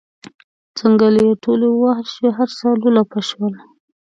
ځنګلې ټولې ووهل شوې هر څه لولپه شول.